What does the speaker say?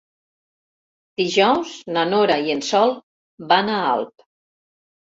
Dijous na Nora i en Sol van a Alp.